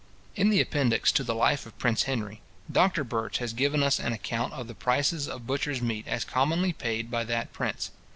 In the Appendix to the life of Prince Henry, Doctor Birch has given us an account of the prices of butcher's meat as commonly paid by that prince.